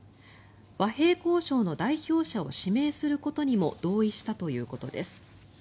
和平交渉の代表者を指名することにも同意したということです。